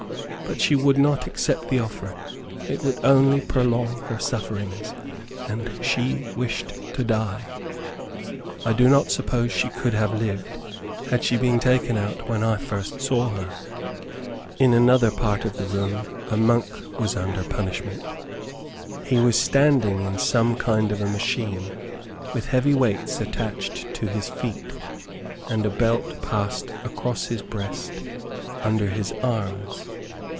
But she would not accept the offer. It would only prolong her sufferings, and she wished to die. I do not suppose she could have lived, had she been taken out when I first saw her. In another part of the room, a monk was under punishment. He was standing in some kind of a machine, with heavy weights attached to his feet, and a belt passed across his breast under his arms.